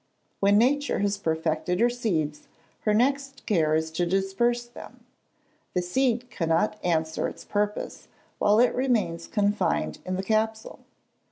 When nature has perfected her seeds, her next care is to disperse them. The seed cannot answer its purpose, while it remains confined in the capsule.